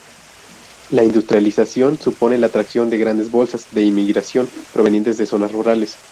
La industrialización supone la atracción de grandes bolsas de inmigración provenientes de zonas rurales.